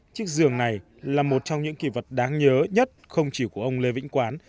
chiếc giường này là một trong những kỳ vật đáng nhớ nhất không chỉ của ông lê vĩnh quán